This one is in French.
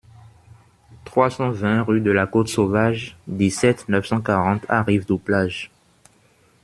trois cent vingt rue de la Côte Sauvage, dix-sept, neuf cent quarante à Rivedoux-Plage